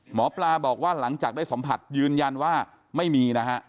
หมอปลาบอกว่าหลังจากได้สัมผัสยืนยันว่าไม่มีนะฮะ